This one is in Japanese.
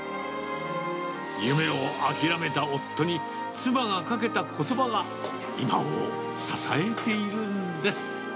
夢を諦めた夫に、妻がかけたことばが、今を支えているんです。